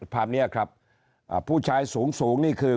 ภาพเนี่ยครับอ่าผู้ชายสูงสูงนี่คือ